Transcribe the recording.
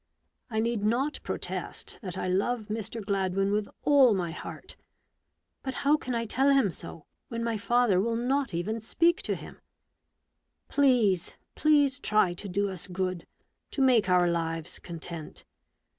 I need not protest A STUDY IN MURDER. 103 that I love Mr. Gladwin with all my heart; but how can I tell him so, when my father will not even speak to him ! Please, please try to do us good, to make our lives content.